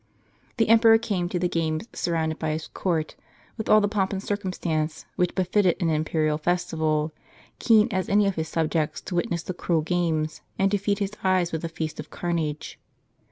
The emperor came to the games surrounded by his court. with all the j)omp and circumstance which befitted an imperial festival, keen as any of his subjects to witness the cruel games, and to feed his eyes with a feast of carnage.